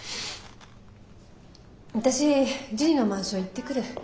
私ジュニのマンション行ってくる。